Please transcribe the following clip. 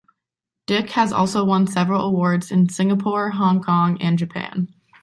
Dick has also won several awards in Singapore, Hong Kong and Japan.